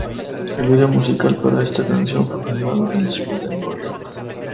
El vídeo musical para esta canción fue filmado en la ciudad de Nueva York.